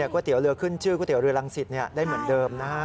ก๋วยเตี๋ยวเรือขึ้นชื่อก๋วยเตี๋ยวเรือลังศิษย์ได้เหมือนเดิม